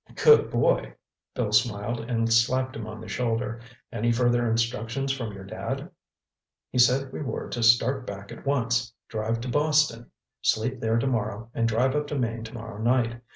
"Good boy!" Bill smiled and slapped him on the shoulder. "Any further instructions from your Dad?" "He said we were to start back at once. Drive to Boston. Sleep there tomorrow and drive up to Maine tomorrow night.